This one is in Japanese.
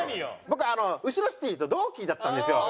僕うしろシティと同期だったんですよ。